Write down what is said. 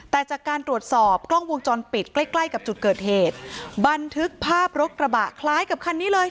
แต่จากการตรวจสอบกล้องวงจรปิดใกล้ใกล้กับจุดเกิดเหตุบันทึกภาพรถกระบะคล้ายกับคันนี้เลย